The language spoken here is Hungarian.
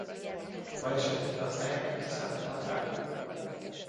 Baj esetén gazdája mindig számíthat rá.